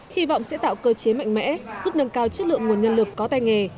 hy vọng sẽ tạo cơ chế mạnh mẽ giúp nâng cao chất lượng nguồn nhân lực có tay nghề